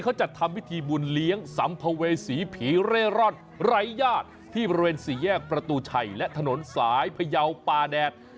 เขาจัดทำพิธีบุญเลี้ยงสัมภเวษีผีเร่ร่อนไร้ญาติที่บริเวณสี่แยกประตูชัยและถนนสายพยาวป่าแดด